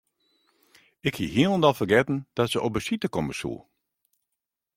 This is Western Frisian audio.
Ik hie hielendal fergetten dat se op besite komme soe.